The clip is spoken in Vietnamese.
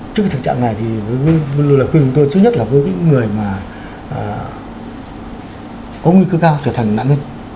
trước cái tình trạng này thì lời khuyên của tôi thứ nhất là với những người mà có nguy cơ cao trở thành nạn nhân